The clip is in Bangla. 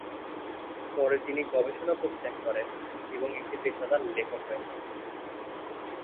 পরে তিনি গবেষণা পরিত্যাগ করেন এবং একটি পেশাদার লেখক হয়ে যান।